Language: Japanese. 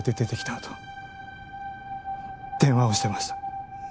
あと電話をしてました。